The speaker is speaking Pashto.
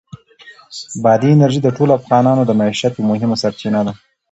بادي انرژي د ټولو افغانانو د معیشت یوه مهمه سرچینه ده.